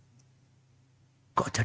sekali yang dia volume jnnb kata adalah